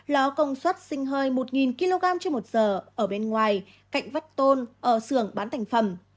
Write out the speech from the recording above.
lò công xuất sinh hơi một kg trên một giờ ở bên ngoài cạnh vắt tôn ở xưởng bán thành phẩm